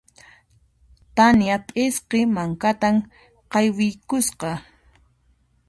Tania p'isqi mankata qaywiykusqa.